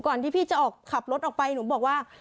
ที่พี่จะออกขับรถออกไปหนูบอกว่า